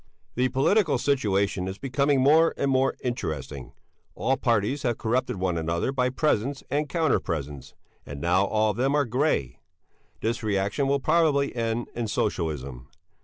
The political situation is becoming more and more interesting; all parties have corrupted one another by presents and counter presents, and now all of them are grey. This reaction will probably end in Socialism.